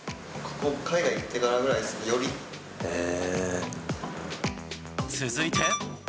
海外行ってからぐらいですね、続いて。